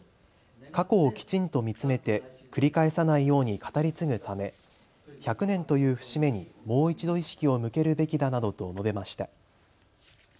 過去をきちんと見つめて繰り返さないように語り継ぐため１００年という節目にもう一度、意識を向けるべきだなどと述べました。